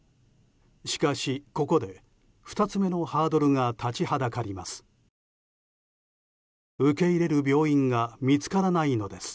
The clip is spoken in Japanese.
しかし、ここで２つ目のハードルが立ちはだかります。